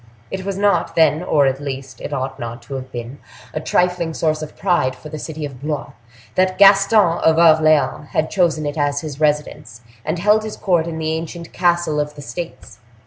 It was not then, or, at least, it ought not to have been, a trifling source of pride for the city of Blois, that Gaston of Orleans had chosen it as his residence, and held his court in the ancient Castle of the States.